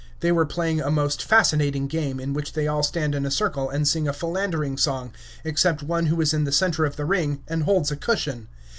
They were playing a most fascinating game, in which they all stand in a circle and sing a philandering song, except one who is in the center of the ring, and holds a cushion.